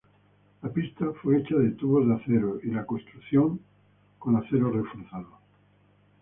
La pista fue hecha de tubos de acero y la construcción con acero reforzado.